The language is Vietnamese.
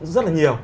rất là nhiều